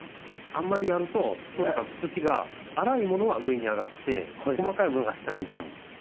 あんまりやるととにかく土が粗いものは上に上がって細かいものが下に行っちゃうんですよ。